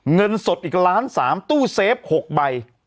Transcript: เงินสดอีกล้าน๓ตู้เซฟ๖ใบ